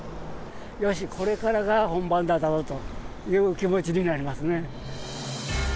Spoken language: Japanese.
よし、これからが本番だぞという気持ちになりますね。